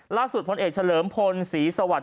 ล่าสุดพลเอกเฉลิมพลศรีสวรรค์